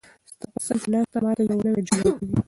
ستا په څنګ کې ناسته، ما ته یو نوی ژوند راکوي.